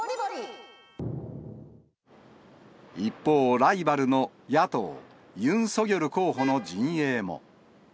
一方、ライバルの野党、ユン・ソギョル候補の陣営も。